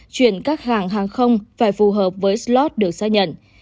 chuyển các hàng hàng không phải phù hợp với slot được xác nhận